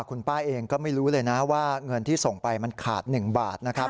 คุณป้าเองก็ไม่รู้เลยนะว่าเงินที่ส่งไปมันขาด๑บาทนะครับ